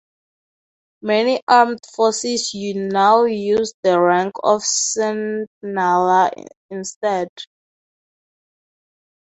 Many armed forces now use the rank of signaller instead.